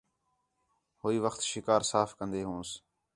ہوئی وخت شِکار صاف کندے ہونس